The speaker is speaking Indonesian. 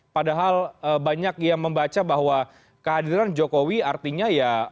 padahal banyak yang membaca bahwa kehadiran jokowi artinya ya